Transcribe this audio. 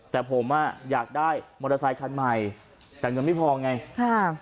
แต่ผมอ่ะอยากได้มอเตอร์ไซคันใหม่แต่เงินไม่พอไงค่ะ